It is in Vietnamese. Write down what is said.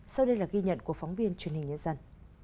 sau đây là ghi nhận của phóng viên truyền hình nhân dân